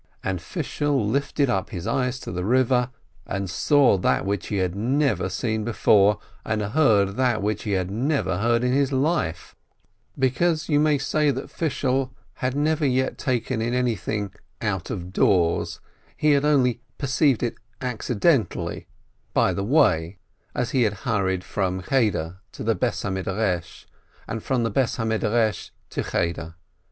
134 SHOLOM ALECHEM And Fishel lifted up his eyes to the river, and saw that which he had never seen before, and heard that which he had never heard in his life. Because you may say that Fishel had never yet taken in anything "out of doors," he had only perceived it accidentally, by the way, as he hurried from Cheder to the house of study, and from the house of study to Cheder.